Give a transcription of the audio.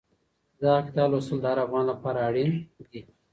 د دغه کتاب لوستل د هر افغان لپاره اړین دي.